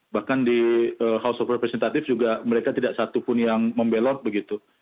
bahkan di house of representative juga mereka tidak satupun yang membelot begitu